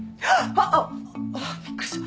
あっびっくりした。